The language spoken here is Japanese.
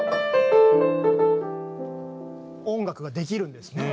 音楽ができるんですね。